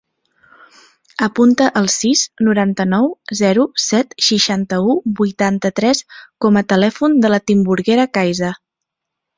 Apunta el sis, noranta-nou, zero, set, seixanta-u, vuitanta-tres com a telèfon de la Timburguera Caiza.